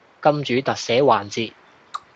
金主特寫環節